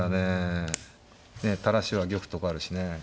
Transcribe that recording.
ねえ垂らしは玉とかあるしね。